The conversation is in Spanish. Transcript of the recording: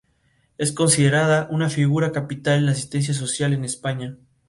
Es considerada una figura capital en la asistencia social en España.